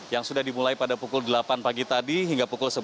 yang sudah dimulai pada pukul delapan pagi tadi hingga pukul sebelas